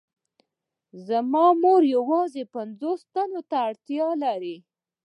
زما مور يوازې پنځوسو سنټو ته اړتيا لري.